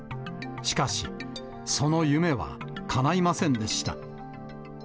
しかし、その夢はかないませんでした。